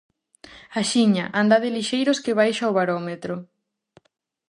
-Axiña, andade lixeiros que baixa o barómetro.